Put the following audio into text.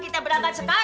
kita berangkat sekarang